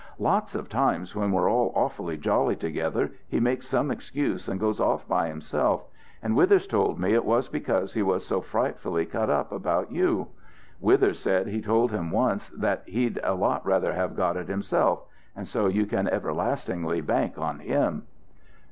"Lots of times when we're all awfully jolly together, he makes some excuse and goes off by himself; and Withers told me it was because he was so frightfully cut up about you. Withers said he told him once that he'd a lot rather have got it himself so you can everlastingly bank on him!"